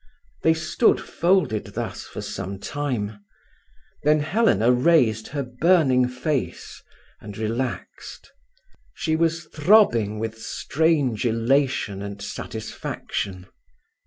They stood folded thus for some time. Then Helena raised her burning face, and relaxed. She was throbbing with strange elation and satisfaction.